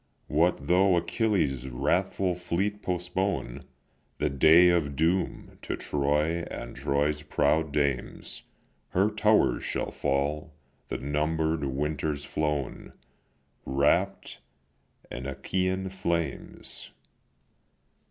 What though Achilles' wrathful fleet postpone The day of doom to Troy and Troy's proud dames, Her towers shall fall, the number'd winters flown, Wrapp'd in Achaean flames."